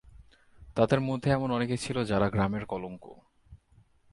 তাদের মধ্যে এমন অনেকে ছিল যারা গ্রামের কলঙ্ক।